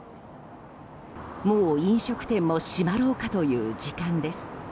もう飲食店も閉まろうかという時間です。